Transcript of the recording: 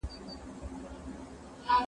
چي مورنۍ ژبه وي، د فکر کولو ځواک نه کمېږي.